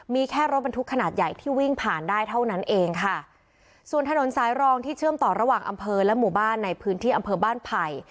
มีแค่รถบรรทุกขนาดใหญ่ที่วิ่งผ่านได้เท่านั้นเองค่ะส่วนถนนสายรองที่เชื่อมต่อระหว่างอำเภอและหมู่บ้านในพื้นที่อำเภอบ้านไผ่